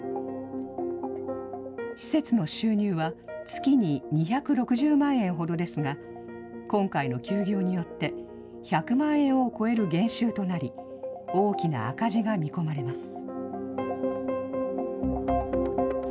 施設の収入は月に２６０万円ほどですが、今回の休業によって、１００万円を超える減収となり、大きな赤字が見込まれます。